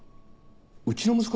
うちの息子